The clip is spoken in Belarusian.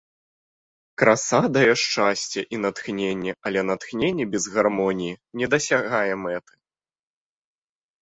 Краса дае шчасце і натхненне, але натхненне без гармоніі не дасягае мэты.